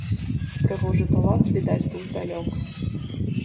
Прыгожы палац відаць быў здалёк.